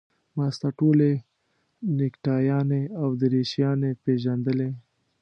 ما ستا ټولې نکټایانې او دریشیانې پېژندلې.